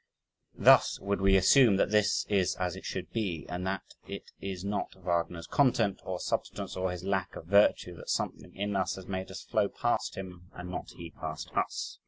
Thus would we assume that this is as it should be, and that it is not Wagner's content or substance or his lack of virtue, that something in us has made us flow past him and not he past us.